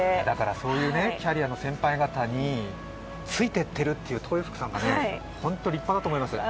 そういうキャリアの先輩方についていってるという豊福さんがホント立派だと思いますか。